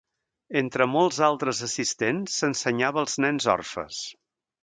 Entre molts altres assistents, s'ensenyava als nens orfes.